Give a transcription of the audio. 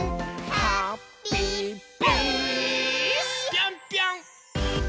ぴょんぴょん！